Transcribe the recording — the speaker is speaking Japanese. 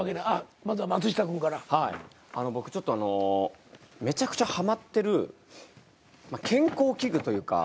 僕ちょっとあのめちゃくちゃハマってる健康器具というか。